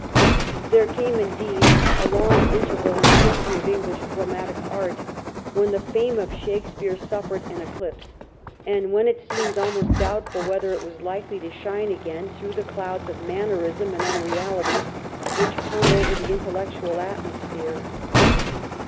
There came, indeed, a long interval in the history of English dra matic art, when the fame of Shakespeare suffered an eclipse, and when it seemed almost doubtful whether it was likely to shine again through the clouds of mannerism and unreality which hung over the intel lectual atmosphere.